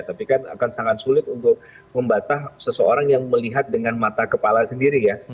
tapi kan akan sangat sulit untuk membatah seseorang yang melihat dengan mata kepala sendiri ya